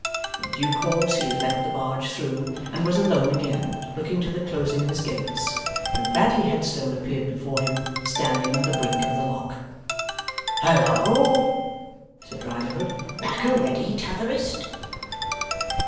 In due course he had let the barge through and was alone again, looking to the closing of his gates, when Bradley Headstone appeared before him, standing on the brink of the Lock. 'Halloa!' said Riderhood. 'Back a' ready, T'otherest?